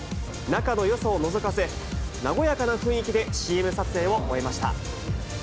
仲のよさをのぞかせ、和やかな雰囲気でＣＭ撮影を終えました。